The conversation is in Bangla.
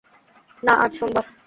না, আজ সোমবার।